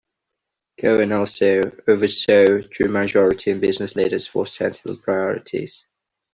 Cohen also oversaw TrueMajority and Business Leaders for Sensible Priorities.